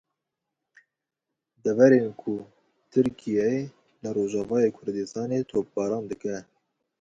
Deverên ku Tirkiye li Rojavayê Kurdistanê topbaran dike.